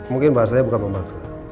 mungkin bahasanya bukan memaksa